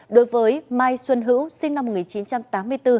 đối với mai xuân hữu sinh năm một nghìn chín trăm tám mươi bốn